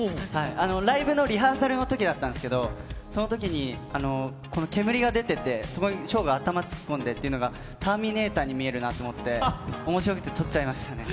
ライブのリハーサルのときだったんですけど、そのときに、この煙が出てて、そこに紫耀が頭突っ込んでっていうのが、ターミネーターに見えるなと思って、おもしろくて撮っちゃいましたね。